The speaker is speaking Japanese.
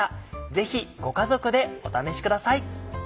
ぜひご家族でお試しください。